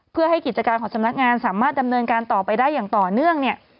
เพื่อให้กิจการของสำนักงานสามารถดำเนินการต่อไปได้อย่างต่อเนื่องเนี่ย